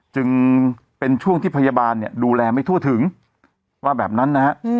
จึงเป็นช่วงที่พยาบาลเนี่ยดูแลไม่ทั่วถึงว่าแบบนั้นนะฮะ